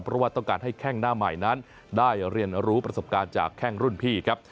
เพราะว่าต้องการให้แข้งหน้าใหม่นั้นได้เรียนรู้ประสบการณ์จากแข้งรุ่นพี่ครับ